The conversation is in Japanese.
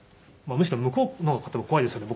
むしろ向こうの方も怖いですよね